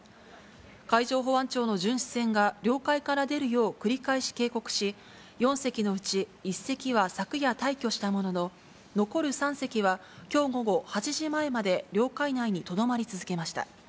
海上保安庁の巡視船が領海から出るよう繰り返し警告し、４隻のうち１隻は昨夜退去したものの、残る３隻はきょう午後８時前まで領海内にとどまり続けました。